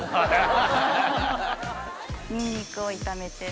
ニンニクを炒めて。